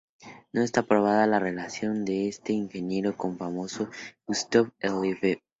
No está probada la relación de este ingeniero con el famoso Gustave Eiffel.